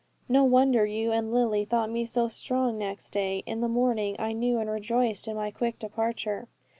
No wonder you and Lily thought me so strong next day. In the morning I knew and rejoiced in my quick departure.